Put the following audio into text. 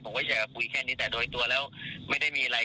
ผมก็จะคุยแค่นี้แต่โดยตัวแล้วไม่ได้มีอะไร